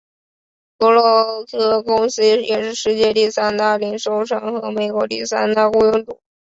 克罗格公司也是世界第三大零售商和美国第三大雇佣主。